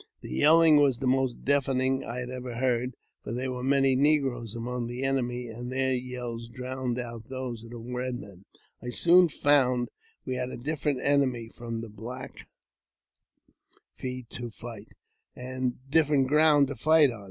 The yeUing was the most deafening I ever heard, for there were many negroes among the enemy, and their yells drowned those of the Eed Men. I soon found we had a different enemy from the Black Feet to fight, and different ground to fight on.